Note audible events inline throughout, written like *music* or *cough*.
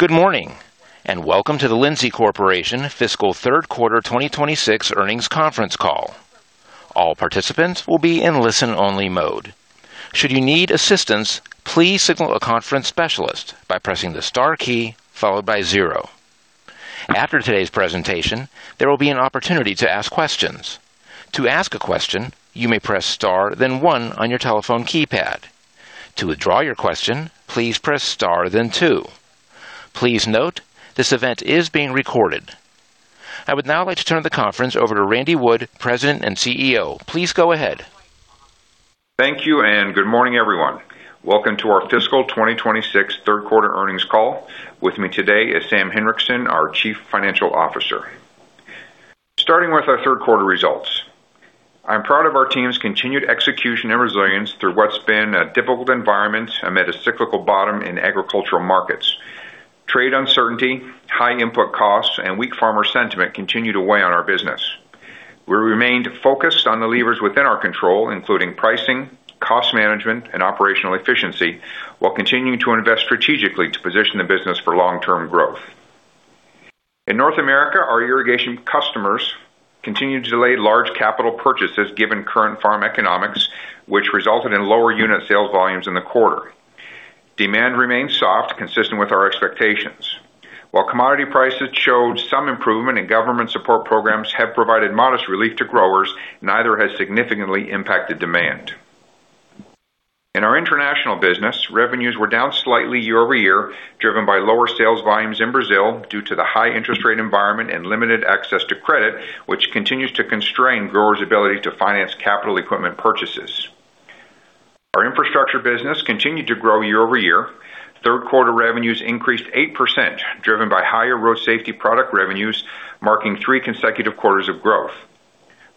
Good morning, welcome to the Lindsay Corporation Fiscal Third Quarter 2026 Earnings Conference Call. All participants will be in listen only mode. Should you need assistance, please signal a conference specialist by pressing the star key followed by zero. After today's presentation, there will be an opportunity to ask questions. To ask a question, you may press star then one on your telephone keypad. To withdraw your question, please press star then two. Please note, this event is being recorded. I would now like to turn the conference over to Randy Wood, President and CEO. Please go ahead. Thank you, good morning, everyone. Welcome to our fiscal 2026 third quarter earnings call. With me today is Sam Hinrichsen, our Chief Financial Officer. Starting with our third quarter results. I'm proud of our team's continued execution and resilience through what's been a difficult environment amid a cyclical bottom in agricultural markets. Trade uncertainty, high input costs, and weak farmer sentiment continue to weigh on our business. We remained focused on the levers within our control, including pricing, cost management, and operational efficiency, while continuing to invest strategically to position the business for long-term growth. In North America, our irrigation customers continue to delay large capital purchases given current farm economics, which resulted in lower unit sales volumes in the quarter. Demand remains soft, consistent with our expectations. While commodity prices showed some improvement and government support programs have provided modest relief to growers, neither has significantly impacted demand. In our international business, revenues were down slightly year-over-year, driven by lower sales volumes in Brazil due to the high interest rate environment and limited access to credit, which continues to constrain growers' ability to finance capital equipment purchases. Our infrastructure business continued to grow year-over-year. Third quarter revenues increased 8%, driven by higher road safety product revenues, marking three consecutive quarters of growth.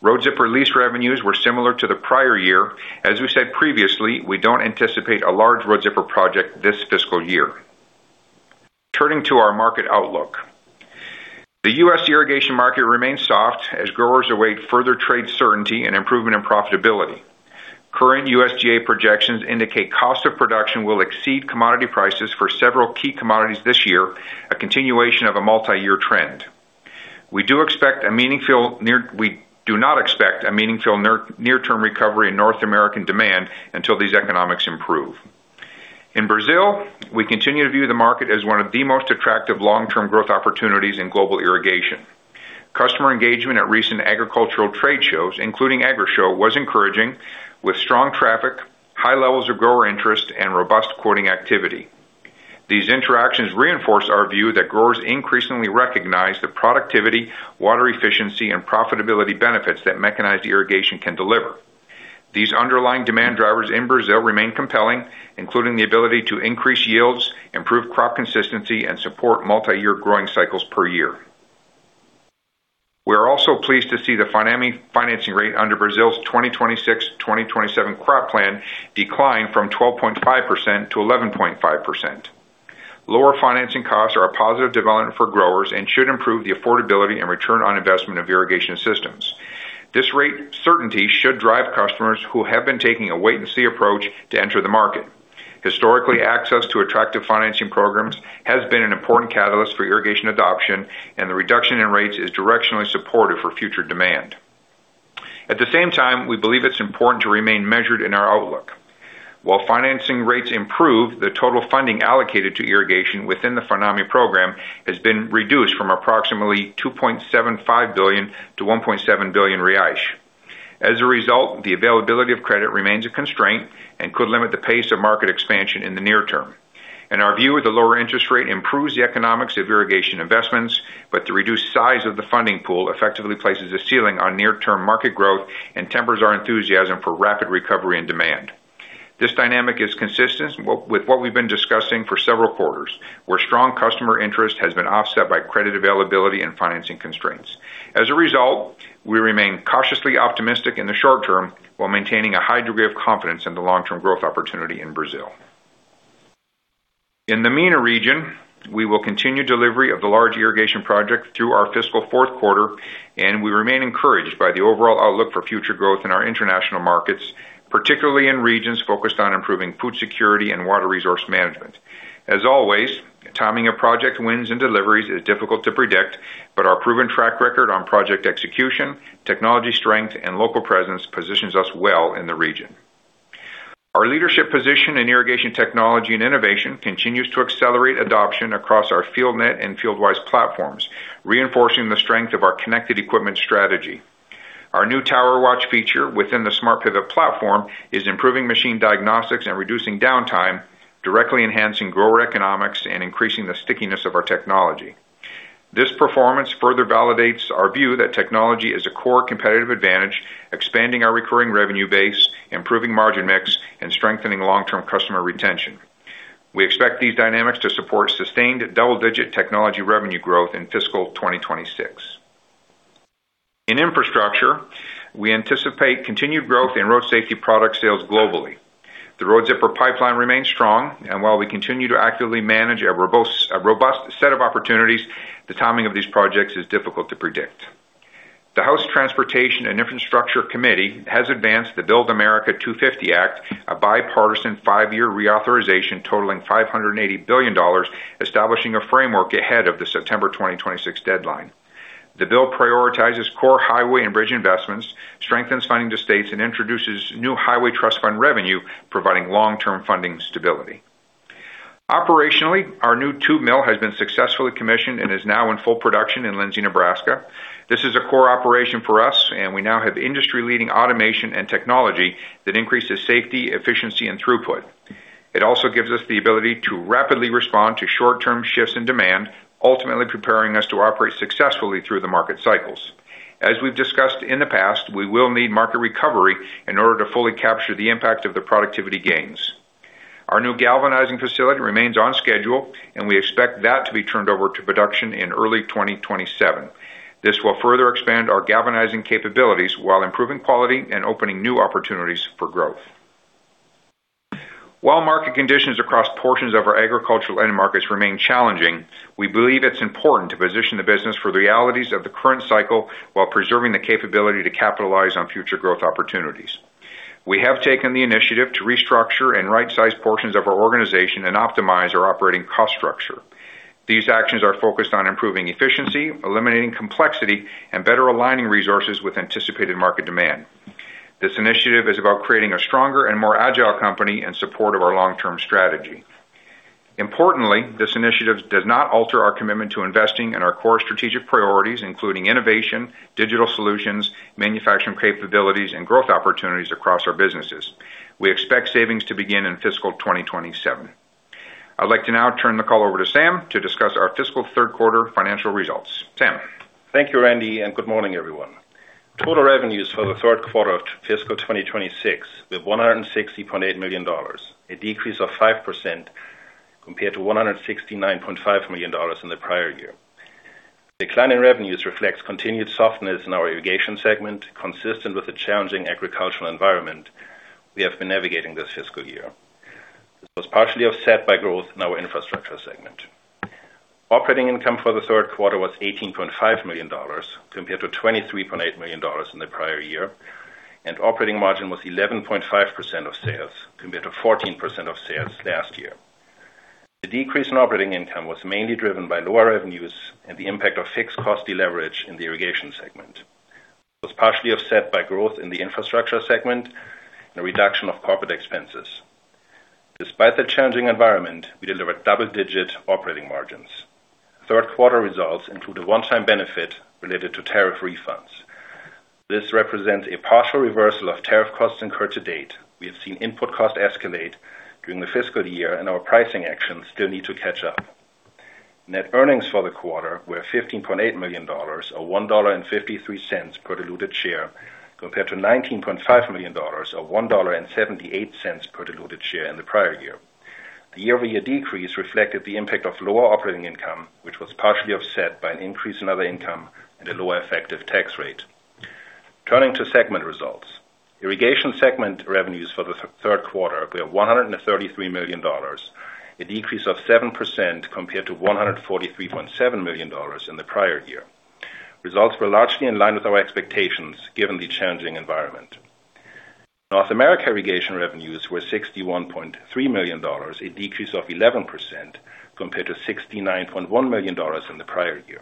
Road Zipper lease revenues were similar to the prior year. As we said previously, we don't anticipate a large Road Zipper project this fiscal year. Turning to our market outlook. The U.S. irrigation market remains soft as growers await further trade certainty and improvement in profitability. Current USDA projections indicate cost of production will exceed commodity prices for several key commodities this year, a continuation of a multi-year trend. We do not expect a meaningful near-term recovery in North American demand until these economics improve. In Brazil, we continue to view the market as one of the most attractive long-term growth opportunities in global irrigation. Customer engagement at recent agricultural trade shows, including Agrishow, was encouraging, with strong traffic, high levels of grower interest, and robust quoting activity. These interactions reinforce our view that growers increasingly recognize the productivity, water efficiency, and profitability benefits that mechanized irrigation can deliver. These underlying demand drivers in Brazil remain compelling, including the ability to increase yields, improve crop consistency, and support multi-year growing cycles per year. We are also pleased to see the financing rate under Brazil's 2026/2027 crop plan decline from 12.5% to 11.5%. Lower financing costs are a positive development for growers and should improve the affordability and return on investment of irrigation systems. This rate certainty should drive customers who have been taking a wait and see approach to enter the market. Historically, access to attractive financing programs has been an important catalyst for irrigation adoption, and the reduction in rates is directionally supportive for future demand. At the same time, we believe it's important to remain measured in our outlook. While financing rates improve, the total funding allocated to irrigation within the FINAME program has been reduced from approximately 2.75 billion to 1.7 billion reais. As a result, the availability of credit remains a constraint and could limit the pace of market expansion in the near term. In our view, the lower interest rate improves the economics of irrigation investments, but the reduced size of the funding pool effectively places a ceiling on near-term market growth and tempers our enthusiasm for rapid recovery and demand. This dynamic is consistent with what we've been discussing for several quarters, where strong customer interest has been offset by credit availability and financing constraints. As a result, we remain cautiously optimistic in the short term while maintaining a high degree of confidence in the long-term growth opportunity in Brazil. In the MENA region, we will continue delivery of the large irrigation project through our fiscal fourth quarter, and we remain encouraged by the overall outlook for future growth in our international markets, particularly in regions focused on improving food security and water resource management. As always, timing of project wins and deliveries is difficult to predict, but our proven track record on project execution, technology strength, and local presence positions us well in the region. Our leadership position in irrigation technology and innovation continues to accelerate adoption across our FieldNET and FieldWise platforms, reinforcing the strength of our connected equipment strategy. Our new TowerWatch feature within the SmartPivot platform is improving machine diagnostics and reducing downtime, directly enhancing grower economics and increasing the stickiness of our technology. This performance further validates our view that technology is a core competitive advantage, expanding our recurring revenue base, improving margin mix, and strengthening long-term customer retention. We expect these dynamics to support sustained double-digit technology revenue growth in fiscal 2026. In infrastructure, we anticipate continued growth in road safety product sales globally. The Road Zipper pipeline remains strong, and while we continue to actively manage a robust set of opportunities, the timing of these projects is difficult to predict. The House Transportation and Infrastructure Committee has advanced the BUILD America 250 Act, a bipartisan five-year reauthorization totaling $580 billion, establishing a framework ahead of the September 2026 deadline. The bill prioritizes core highway and bridge investments, strengthens funding to states, and introduces new highway trust fund revenue, providing long-term funding stability. Operationally, our new tube mill has been successfully commissioned and is now in full production in Lindsay, Nebraska. This is a core operation for us, and we now have industry-leading automation and technology that increases safety, efficiency, and throughput. It also gives us the ability to rapidly respond to short-term shifts in demand, ultimately preparing us to operate successfully through the market cycles. As we've discussed in the past, we will need market recovery in order to fully capture the impact of the productivity gains. Our new galvanizing facility remains on schedule, and we expect that to be turned over to production in early 2027. This will further expand our galvanizing capabilities while improving quality and opening new opportunities for growth. While market conditions across portions of our agricultural end markets remain challenging, we believe it's important to position the business for the realities of the current cycle while preserving the capability to capitalize on future growth opportunities. We have taken the initiative to restructure and right-size portions of our organization and optimize our operating cost structure. These actions are focused on improving efficiency, eliminating complexity, and better aligning resources with anticipated market demand. This initiative is about creating a stronger and more agile company in support of our long-term strategy. Importantly, this initiative does not alter our commitment to investing in our core strategic priorities, including innovation, digital solutions, manufacturing capabilities, and growth opportunities across our businesses. We expect savings to begin in fiscal 2027. I'd like to now turn the call over to Sam to discuss our fiscal third quarter financial results. Sam? Thank you, Randy, and good morning, everyone. Total revenues for the third quarter of fiscal 2026 were $160.8 million, a decrease of 5% compared to $169.5 million in the prior year. Decline in revenues reflects continued softness in our irrigation segment, consistent with the challenging agricultural environment we have been navigating this fiscal year. This was partially offset by growth in our infrastructure segment. Operating income for the third quarter was $18.5 million, compared to $23.8 million in the prior year, and operating margin was 11.5% of sales compared to 14% of sales last year. The decrease in operating income was mainly driven by lower revenues and the impact of fixed cost leverage in the irrigation segment. It was partially offset by growth in the infrastructure segment and a reduction of corporate expenses. Despite the challenging environment, we delivered double-digit operating margins. Third quarter results include a one-time benefit related to tariff refunds. This represents a partial reversal of tariff costs incurred to date. We have seen input costs escalate during the fiscal year, and our pricing actions still need to catch up. Net earnings for the quarter were $15.8 million, or $1.53 per diluted share, compared to $19.5 million or $1.78 per diluted share in the prior year. The year-over-year decrease reflected the impact of lower operating income, which was partially offset by an increase in other income and a lower effective tax rate. Turning to segment results. Irrigation segment revenues for the third quarter were $133 million, a decrease of 7% compared to $143.7 million in the prior year. Results were largely in line with our expectations, given the challenging environment. North America irrigation revenues were $61.3 million, a decrease of 11% compared to $69.1 million in the prior year.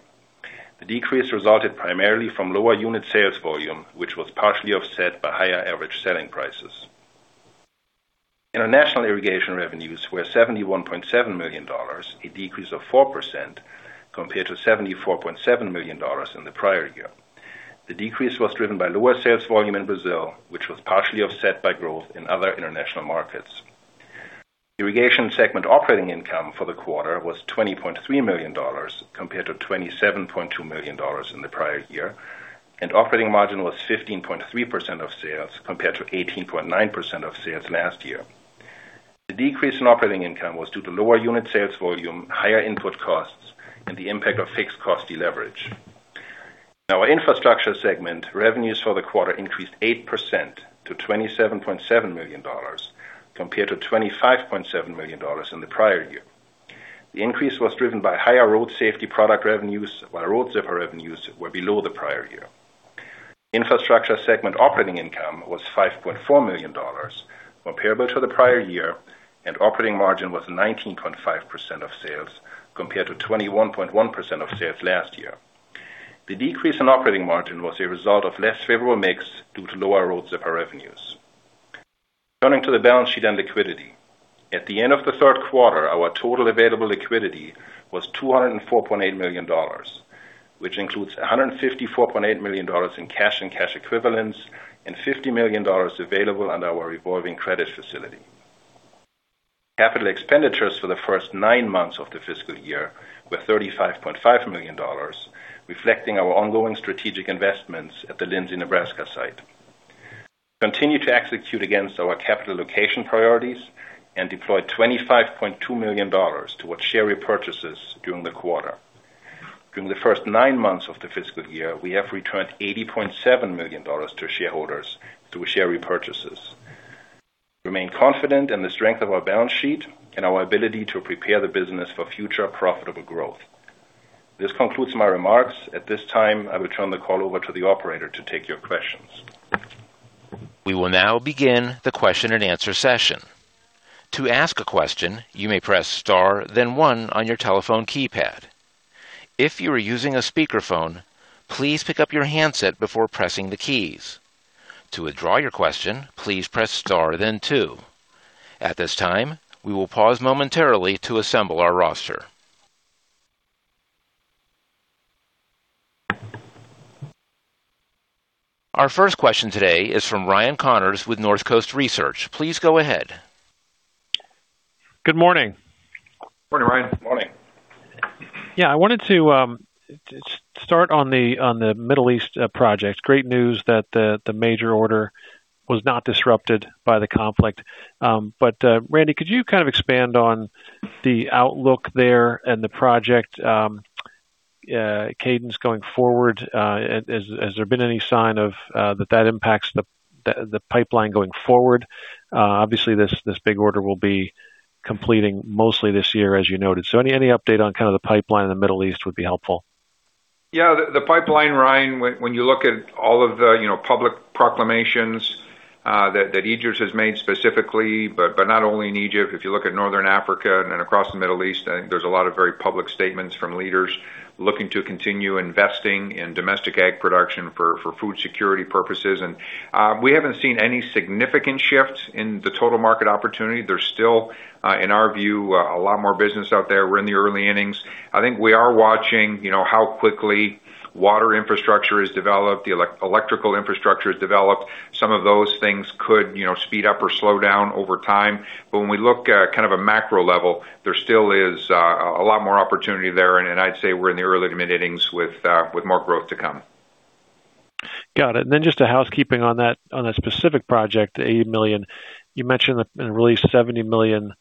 The decrease resulted primarily from lower unit sales volume, which was partially offset by higher average selling prices. International irrigation revenues were $71.7 million, a decrease of 4% compared to $74.7 million in the prior year. The decrease was driven by lower sales volume in Brazil, which was partially offset by growth in other international markets. Irrigation segment operating income for the quarter was $20.3 million, compared to $27.2 million in the prior year, and operating margin was 15.3% of sales compared to 18.9% of sales last year. The decrease in operating income was due to lower unit sales volume, higher input costs, and the impact of fixed cost leverage. Our infrastructure segment revenues for the quarter increased 8% to $27.7 million, compared to $25.7 million in the prior year. The increase was driven by higher road safety product revenues, while Road Zipper revenues were below the prior year. Infrastructure segment operating income was $5.4 million comparable to the prior year, and operating margin was 19.5% of sales compared to 21.1% of sales last year. The decrease in operating margin was a result of less favorable mix due to lower Road Zipper revenues. Turning to the balance sheet and liquidity. At the end of the third quarter, our total available liquidity was $204.8 million, which includes $154.8 million in cash and cash equivalents and $50 million available under our revolving credit facility. Capital expenditures for the first nine months of the fiscal year were $35.5 million, reflecting our ongoing strategic investments at the Lindsay, Nebraska site. We continue to execute against our capital allocation priorities and deploy $25.2 million towards share repurchases during the quarter. During the first nine months of the fiscal year, we have returned $80.7 million to shareholders through share repurchases. We remain confident in the strength of our balance sheet and our ability to prepare the business for future profitable growth. This concludes my remarks. At this time, I will turn the call over to the operator to take your questions. We will now begin the question and answer session. To ask a question, you may press star then one on your telephone keypad. If you are using a speakerphone, please pick up your handset before pressing the keys. To withdraw your question, please press star then two. At this time, we will pause momentarily to assemble our roster. Our first question today is from Ryan Connors with Northcoast Research. Please go ahead. Good morning. Morning, Ryan. Morning. I wanted to start on the Middle East project. Great news that the major order was not disrupted by the conflict. Randy, could you kind of expand on the outlook there and the project cadence going forward? Has there been any sign that that impacts the pipeline going forward? Obviously, this big order will be completing mostly this year, as you noted. Any update on kind of the pipeline in the Middle East would be helpful. The pipeline, Ryan, when you look at all of the public proclamations that Egypt has made specifically, not only in Egypt, if you look at Northern Africa and across the Middle East, I think there's a lot of very public statements from leaders looking to continue investing in domestic ag production for food security purposes. We haven't seen any significant shifts in the total market opportunity. There's still, in our view, a lot more business out there. We're in the early innings. I think we are watching how quickly water infrastructure is developed, the electrical infrastructure is developed. Some of those things could speed up or slow down over time. When we look at kind of a macro level, there still is a lot more opportunity there, and I'd say we're in the early to mid-innings with more growth to come. Got it. Just a housekeeping on that specific project, the $80 million. You mentioned in release $70 million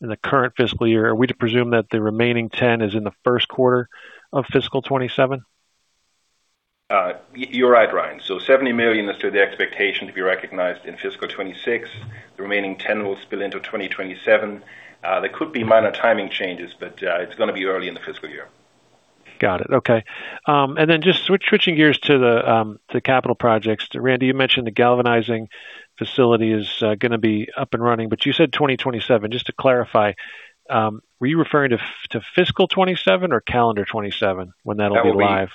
in the current fiscal year. Are we to presume that the remaining $10 million is in the first quarter of fiscal 2027? You're right, Ryan. $70 million is to the expectation to be recognized in fiscal 2026. The remaining $10 million will spill into 2027. There could be minor timing changes, but it's going to be early in the fiscal year. Got it. Okay. Just switching gears to the capital projects. Randy, you mentioned the galvanizing facility is going to be up and running, but you said 2027. Just to clarify, were you referring to fiscal 2027 or calendar 2027 when that will be live?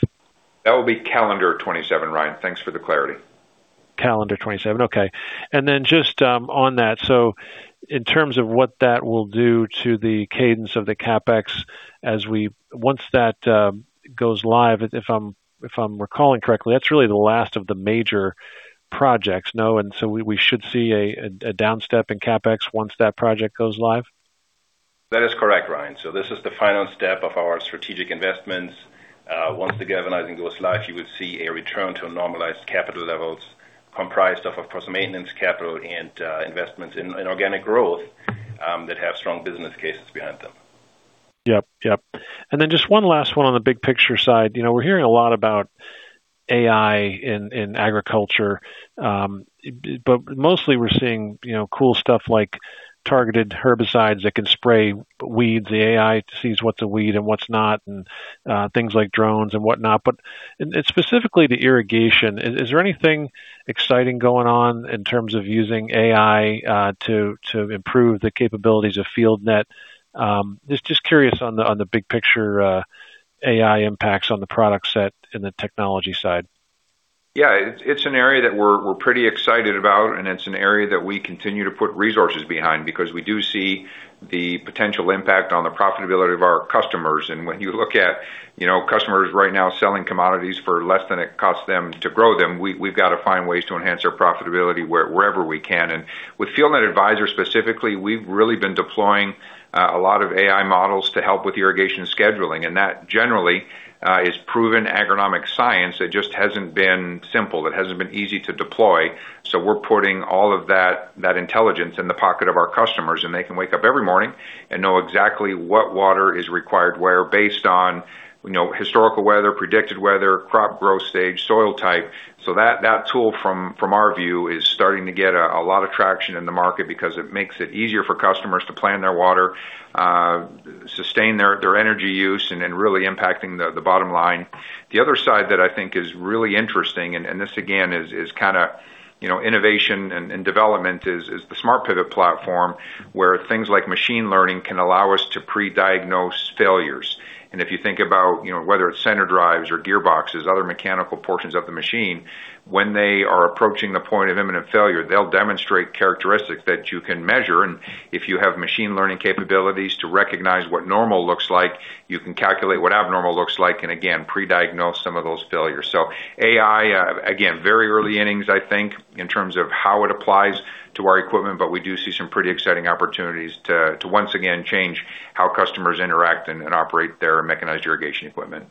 That will be calendar 2027, Ryan. Thanks for the clarity. Calendar 2027. Okay. In terms of what that will do to the cadence of the CapEx once that goes live, if I'm recalling correctly, that's really the last of the major projects, no? We should see a down step in CapEx once that project goes live? That is correct, Ryan. This is the final step of our strategic investments. Once the galvanizing goes live, you will see a return to normalized capital levels comprised of course, maintenance capital and investments in organic growth that have strong business cases behind them. Yep. Just one last one on the big picture side. We're hearing a lot about AI in agriculture. Mostly we're seeing cool stuff like targeted herbicides that can spray weeds. The AI sees what's a weed and what's not, and things like drones and whatnot. Specifically to irrigation, is there anything exciting going on in terms of using AI to improve the capabilities of FieldNET? Just curious on the big picture AI impacts on the product set and the technology side. Yeah. It's an area that we're pretty excited about, and it's an area that we continue to put resources behind because we do see the potential impact on the profitability of our customers. When you look at customers right now selling commodities for less than it costs them to grow them, we've got to find ways to enhance our profitability wherever we can. With FieldNET Advisor specifically, we've really been deploying a lot of AI models to help with irrigation scheduling. That generally is proven agronomic science. It just hasn't been simple. It hasn't been easy to deploy. We're putting all of that intelligence in the pocket of our customers, and they can wake up every morning and know exactly what water is required where based on historical weather, predicted weather, crop growth stage, soil type. That tool, from our view, is starting to get a lot of traction in the market because it makes it easier for customers to plan their water, sustain their energy use, and then really impacting the bottom line. The other side that I think is really interesting, and this again, is kind of innovation and development, is the SmartPivot platform, where things like machine learning can allow us to pre-diagnose failures. If you think about whether it's center drives or gearboxes, other mechanical portions of the machine, when they are approaching the point of imminent failure, they'll demonstrate characteristics that you can measure. If you have machine learning capabilities to recognize what normal looks like, you can calculate what abnormal looks like and again, pre-diagnose some of those failures. AI, again, very early innings, I think, in terms of how it applies to our equipment, but we do see some pretty exciting opportunities to once again change how customers interact and operate their mechanized irrigation equipment.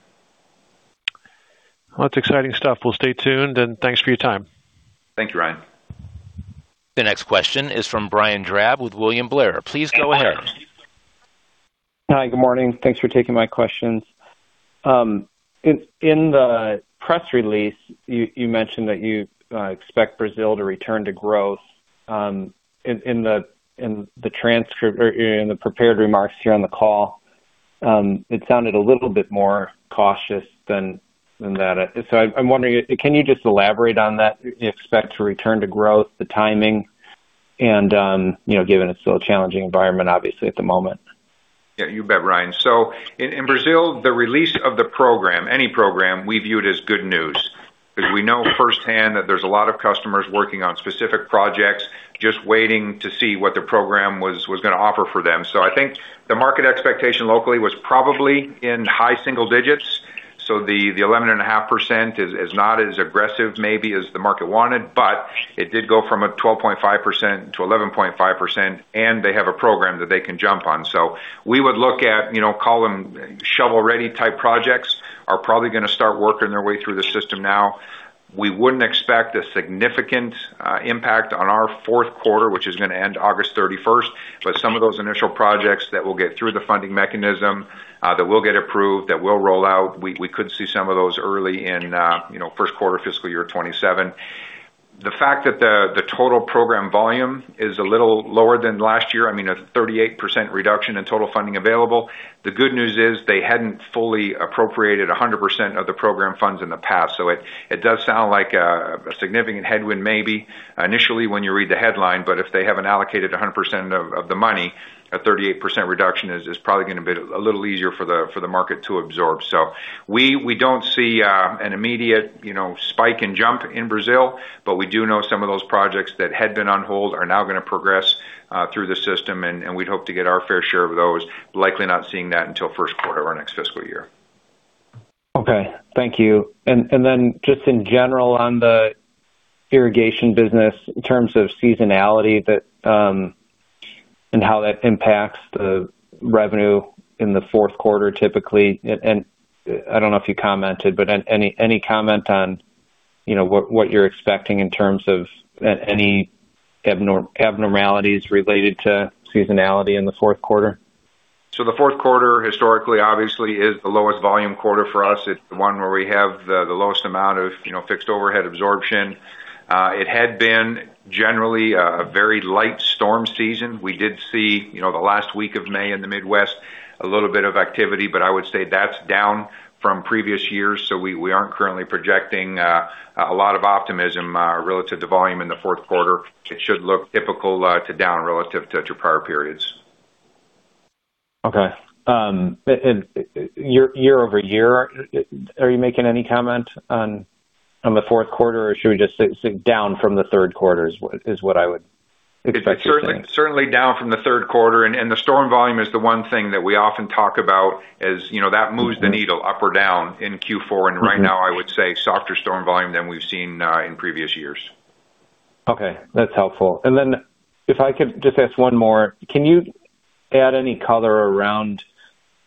Well, that's exciting stuff. We'll stay tuned, and thanks for your time. Thank you, Ryan. The next question is from Brian Drab with William Blair. Please go ahead. Hi. Good morning. Thanks for taking my questions. In the press release, you mentioned that you expect Brazil to return to growth. In the prepared remarks here on the call, it sounded a little bit more cautious than that. I'm wondering, can you just elaborate on that? Do you expect to return to growth, the timing, and given it's still a challenging environment, obviously, at the moment? Yeah, you bet, Brian. In Brazil, the release of the program, any program, we view it as good news because we know firsthand that there's a lot of customers working on specific projects, just waiting to see what the program was going to offer for them. I think the market expectation locally was probably in high single digits. The 11.5% is not as aggressive maybe as the market wanted, but it did go from a 12.5% to 11.5%, and they have a program that they can jump on. We would look at column shovel-ready type projects are probably going to start working their way through the system now. We wouldn't expect a significant impact on our fourth quarter, which is going to end August 31st. But some of those initial projects that will get through the funding mechanism, that will get approved, that will roll out, we could see some of those early in first quarter fiscal year 2027. The fact that the total program volume is a little lower than last year, I mean, a 38% reduction in total funding available. The good news is they hadn't fully appropriated 100% of the program funds in the past. It does sound like a significant headwind maybe initially when you read the headline, but if they haven't allocated 100% of the money, a 38% reduction is probably going to be a little easier for the market to absorb. We don't see an immediate spike and jump in Brazil. We do know some of those projects that had been on hold are now going to progress through the system, and we'd hope to get our fair share of those. Likely not seeing that until first quarter of our next fiscal year. Okay. Thank you. Just in general on the irrigation business, in terms of seasonality and how that impacts the revenue in the fourth quarter typically, and I do not know if you commented, but any comment on what you're expecting in terms of any abnormalities related to seasonality in the fourth quarter? The fourth quarter historically obviously is the lowest volume quarter for us. It's the one where we have the lowest amount of fixed overhead absorption. It had been generally a very light storm season. We did see the last week of May in the Midwest, a little bit of activity, but I would say that's down from previous years. We aren't currently projecting a lot of optimism relative to volume in the fourth quarter. It should look typical to down relative to prior periods. Okay. Year-over-year, are you making any comment on the fourth quarter or should we just say down from the third quarter is what I would expect you're saying? It's certainly down from the third quarter. The storm volume is the one thing that we often talk about as that moves the needle up or down in Q4. Right now, I would say softer storm volume than we've seen in previous years. Okay, that's helpful. If I could just ask one more, can you add any color around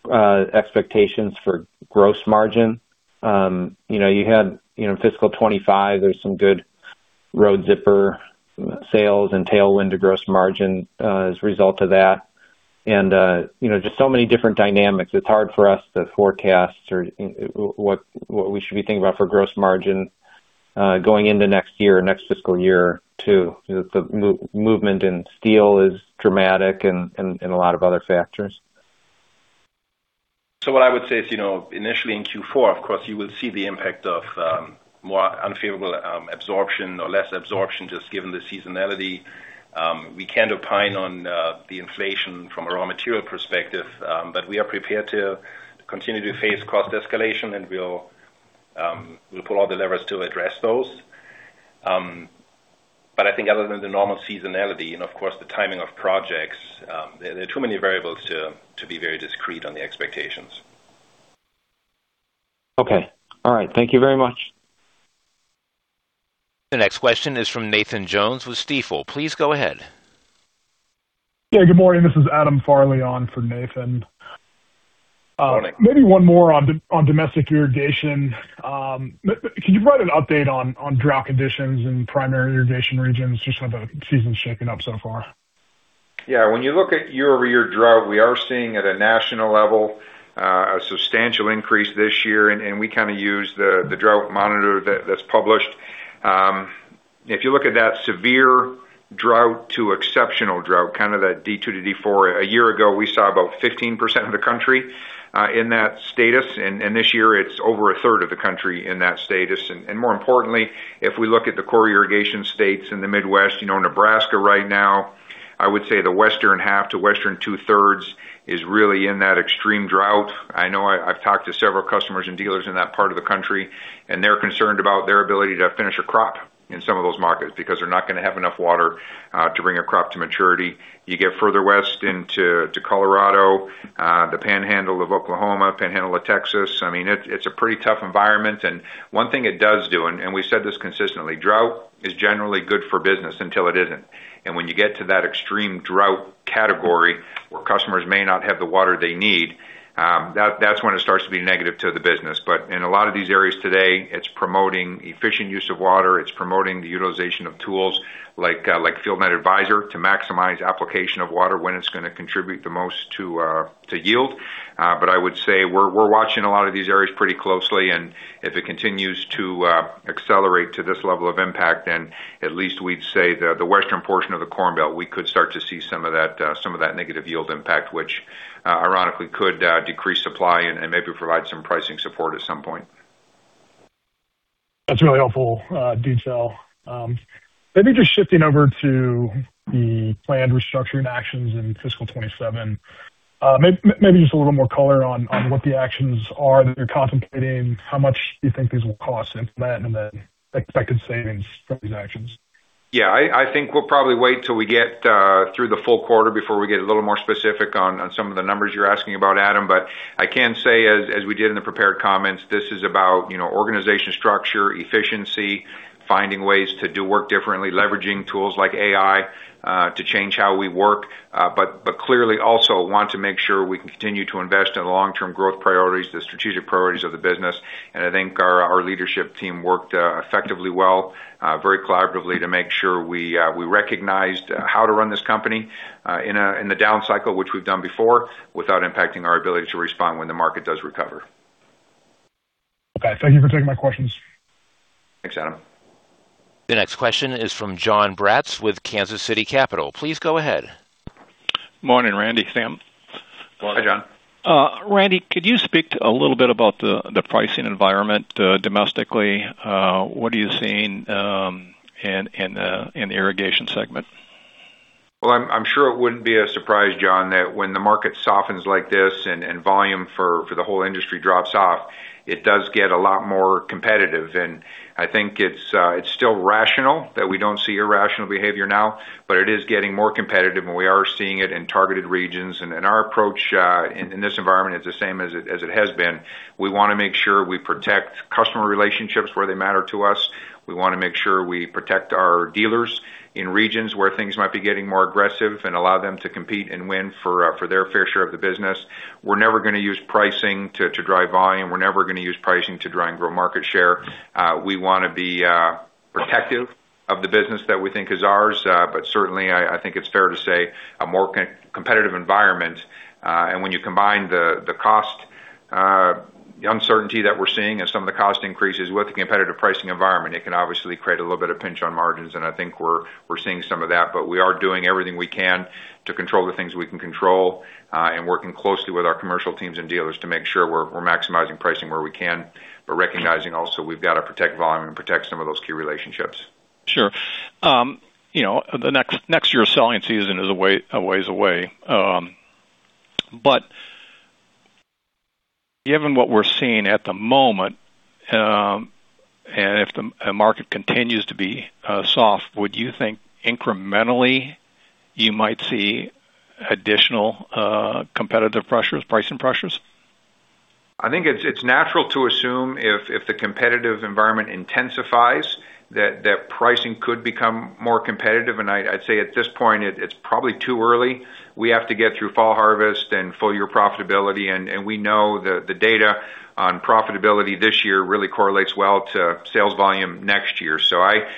expectations for gross margin? You had fiscal 2025, there's some good Road Zipper sales and tailwind to gross margin as a result of that. Just so many different dynamics. It's hard for us to forecast what we should be thinking about for gross margin going into next year, next fiscal year, too. The movement in steel is dramatic and a lot of other factors. What I would say is, initially in Q4, of course, you will see the impact of more unfavorable absorption or less absorption just given the seasonality. We can't opine on the inflation from a raw material perspective. We are prepared to continue to face cost escalation and we'll pull all the levers to address those. I think other than the normal seasonality and of course the timing of projects, there are too many variables to be very discrete on the expectations. Okay. All right. Thank you very much. The next question is from Nathan Jones with Stifel. Please go ahead. Yeah, good morning. This is Adam Farley on for Nathan. Morning. Maybe one more on domestic irrigation. Could you provide an update on drought conditions in primary irrigation regions? Just how the season's shaping up so far. Yeah. When you look at year-over-year drought, we are seeing at a national level a substantial increase this year, and we kind of use the drought monitor that's published. If you look at that severe drought to exceptional drought, kind of that D2 to D4, a year ago, we saw about 15% of the country in that status. This year it's over a third of the country in that status. More importantly, if we look at the core irrigation states in the Midwest, Nebraska right now, I would say the western half to western 2/3 is really in that extreme drought. I know I've talked to several customers and dealers in that part of the country, and they're concerned about their ability to finish a crop in some of those markets because they're not going to have enough water to bring a crop to maturity. You get further west into Colorado, the panhandle of Oklahoma, panhandle of Texas. I mean, it's a pretty tough environment. One thing it does do, and we've said this consistently, drought is generally good for business until it isn't. When you get to that extreme drought category where customers may not have the water they need, that's when it starts to be negative to the business. In a lot of these areas today, it's promoting efficient use of water. It's promoting the utilization of tools like FieldNET Advisor to maximize application of water when it's going to contribute the most to yield. I would say, we're watching a lot of these areas pretty closely. If it continues to accelerate to this level of impact, at least we'd say that the western portion of the Corn Belt, we could start to see some of that negative yield impact, which ironically could decrease supply and maybe provide some pricing support at some point. That's really helpful detail. Maybe just shifting over to the planned restructuring actions in fiscal 2027. Maybe just a little more color on what the actions are that you're contemplating. How much do you think these will cost to implement, and the expected savings from these actions? I think we'll probably wait till we get through the full quarter before we get a little more specific on some of the numbers you're asking about, Adam. I can say, as we did in the prepared comments, this is about organization structure, efficiency, finding ways to do work differently, leveraging tools like AI to change how we work. Clearly also want to make sure we can continue to invest in long-term growth priorities, the strategic priorities of the business. I think our leadership team worked effectively well, very collaboratively to make sure we recognized how to run this company in the down cycle, which we've done before, without impacting our ability to respond when the market does recover. Okay. Thank you for taking my questions. Thanks, Adam. The next question is from Jon Braatz with Kansas City Capital. Please go ahead. Morning, Randy, Sam. Good morning, Jon. Randy, could you speak a little bit about the pricing environment domestically? What are you seeing in the irrigation segment? Well, I'm sure it wouldn't be a surprise, Jon, that when the market softens like this and volume for the whole industry drops off, it does get a lot more competitive. I think it's still rational, that we don't see irrational behavior now, but it is getting more competitive, and we are seeing it in targeted regions. Our approach in this environment is the same as it has been. We want to make sure we protect customer relationships where they matter to us. We want to make sure we protect our dealers in regions where things might be getting more aggressive and allow them to compete and win for their fair share of the business. We're never gonna use pricing to drive volume. We're never gonna use pricing to drive grow market share. We want to be protective of the business that we think is ours. Certainly, I think it's fair to say a more competitive environment. When you combine the cost, the uncertainty that we're seeing and some of the cost increases with the competitive pricing environment, it can obviously create a little bit of pinch on margins. I think we're seeing some of that. We are doing everything we can to control the things we can control and working closely with our commercial teams and dealers to make sure we're maximizing pricing where we can, but recognizing also we've got to protect volume and protect some of those key relationships. Sure. *audio distortion* Given what we're seeing at the moment, and if the market continues to be soft, would you think incrementally you might see additional competitive pressures, pricing pressures? I think it's natural to assume if the competitive environment intensifies, that pricing could become more competitive. I'd say at this point, it's probably too early. We have to get through fall harvest and full year profitability. We know the data on profitability this year really correlates well to sales volume next year.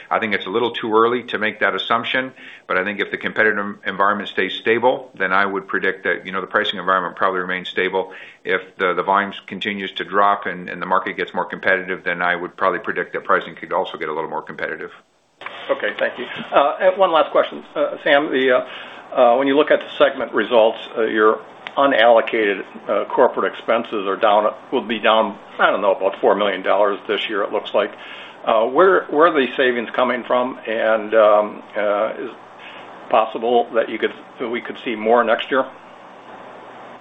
I think it's a little too early to make that assumption, but I think if the competitive environment stays stable, then I would predict that the pricing environment probably remains stable. If the volumes continues to drop and the market gets more competitive, then I would probably predict that pricing could also get a little more competitive. Okay. Thank you. One last question. Sam, when you look at the segment results, your unallocated corporate expenses will be down, I don't know, about $4 million this year, it looks like. Where are the savings coming from? Is it possible that we could see more next year?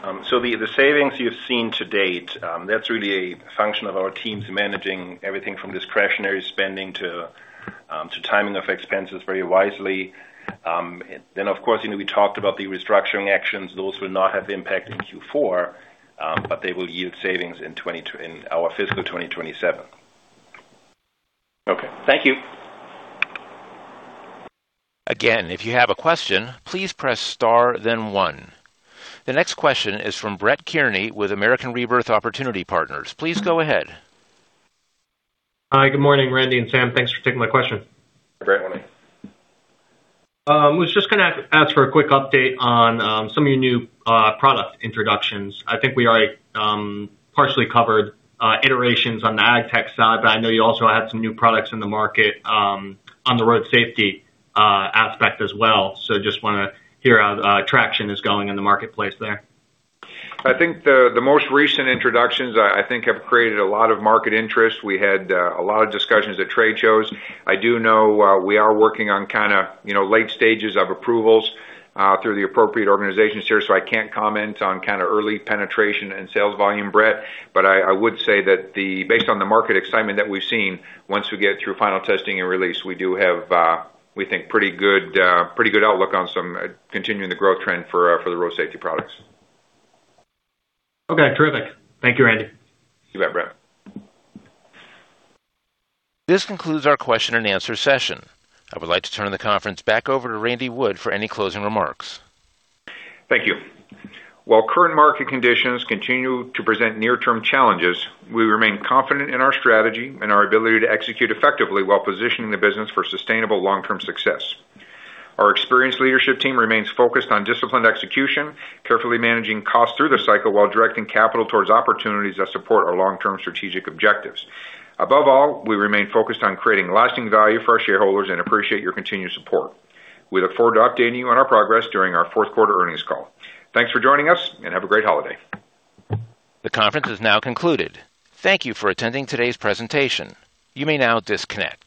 The savings you've seen to date, that's really a function of our teams managing everything from discretionary spending to timing of expenses very wisely. Of course, we talked about the restructuring actions. Those will not have impact in Q4, but they will yield savings in our fiscal 2027. Okay. Thank you. Again, if you have a question, please press star then one. The next question is from Brett Kearney with American Rebirth Opportunity Partners. Please go ahead. Hi. Good morning, Randy and Sam. Thanks for taking my question. Good morning. I was just gonna ask for a quick update on some of your new product introductions. I think we already partially covered iterations on the ag tech side, but I know you also had some new products in the market on the road safety aspect as well. Just wanna hear how the traction is going in the marketplace there. I think the most recent introductions have created a lot of market interest. We had a lot of discussions at trade shows. I do know we are working on late stages of approvals through the appropriate organizations here, so I can't comment on early penetration and sales volume, Brett. I would say that based on the market excitement that we've seen, once we get through final testing and release, we do have we think pretty good outlook on some continuing the growth trend for the road safety products. Okay, terrific. Thank you, Randy. You bet, Brett. This concludes our question and answer session. I would like to turn the conference back over to Randy Wood for any closing remarks. Thank you. While current market conditions continue to present near-term challenges, we remain confident in our strategy and our ability to execute effectively while positioning the business for sustainable long-term success. Our experienced leadership team remains focused on disciplined execution, carefully managing costs through the cycle while directing capital towards opportunities that support our long-term strategic objectives. Above all, we remain focused on creating lasting value for our shareholders and appreciate your continued support. We look forward to updating you on our progress during our fourth quarter earnings call. Thanks for joining us and have a great holiday. The conference is now concluded. Thank you for attending today's presentation. You may now disconnect.